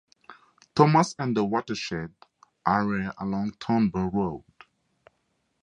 Thomas and the watershed area along Thorburn Road.